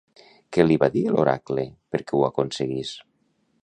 Què li va dir l'oracle perquè ho aconseguís?